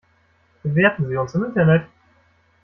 Bewerten Sie uns im Internet!